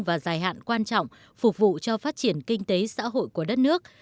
và dài hạn quan trọng phục vụ cho phát triển kinh tế xã hội của đất nước